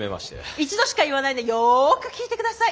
一度しか言わないんでよく聞いて下さい。